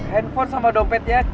handphone sama dompetnya